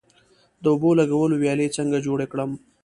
د اوبو لګولو ویالې څنګه جوړې کړم؟